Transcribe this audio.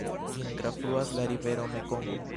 Ĝin trafluas la rivero Mekongo.